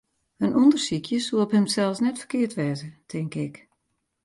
In ûndersykje soe op himsels net ferkeard wêze, tink ik.